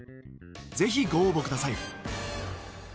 ぜひご応募ください。